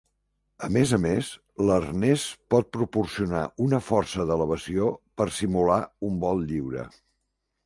A més a més, l'arnès pot proporcionar una força d'elevació per simular un vol lliure.